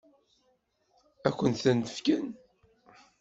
Ad kent-t-fken?